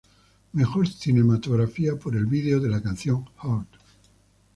Mejor cinematografía por el video de la canción "Hurt".